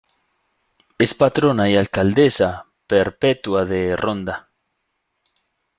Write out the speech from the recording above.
Es patrona y alcaldesa perpetua de Ronda.